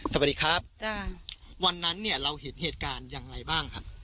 สวัสดีครับจ้ะวันนั้นเนี่ยเราเห็นเหตุการณ์อย่างไรบ้างครับ